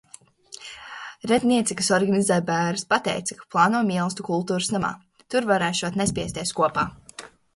Radiniece, kas organizē bēres, pateica, ka plāno mielastu kultūras namā. Tur varēšot nespiesties kopā.